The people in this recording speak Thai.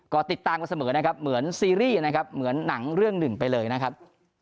ก็ติดตามกันเสมอนะครับเหมือนซีรีส์นะครับเหมือนหนังเรื่องหนึ่งไปเลยนะครับ